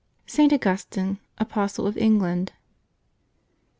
ST. AUGUSTINE, Apostle of England.